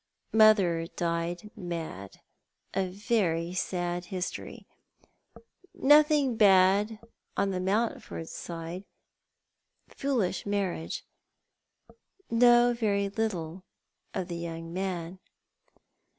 " I\Iother died mad — very sad history. Nothing bad on the Mountford side. Foolish marriage. Know very little of the young man."